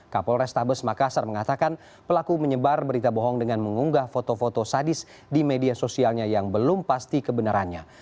kapol restabes makassar mengatakan pelaku menyebar berita bohong dengan mengunggah foto foto sadis di media sosialnya yang belum pasti kebenarannya